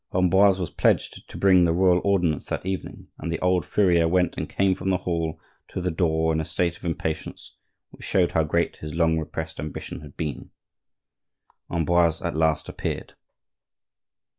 Ambroise was pledged to bring the royal ordinance that evening; and the old furrier went and came from the hall to the door in a state of impatience which showed how great his long repressed ambition had been. Ambroise at last appeared.